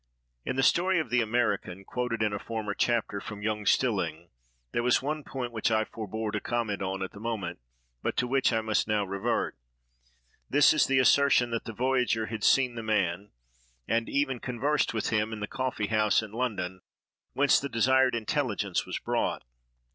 In the story of the American, quoted in a former chapter from Jung Stilling, there was one point which I forebore to comment on at the moment, but to which I must now revert: this is the assertion that the voyager had seen the man, and even conversed with him, in the coffeehouse in London whence the desired intelligence was brought.